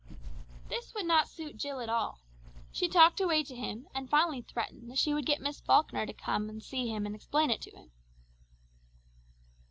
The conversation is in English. That would not suit Jill at all. She talked away to him, and finally threatened that she would get Miss Falkner to come and see him and explain it to him.